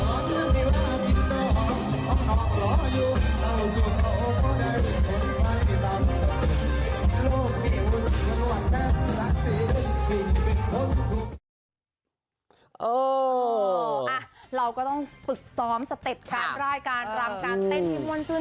โอ้วววล่ะเราก็ต้องฝึกซ้อมสเต็ปรากราบการรำการเต้นทิพธ์ม่วนสึ้น